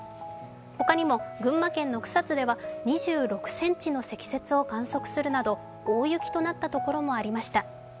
他にも群馬県の草津では２６ｃｍの積雪を観測するなど大雪となった所もありました。